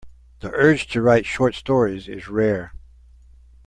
The urge to write short stories is rare.